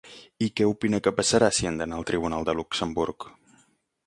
I què opina que passarà si han d'anar al tribunal de Luxemburg?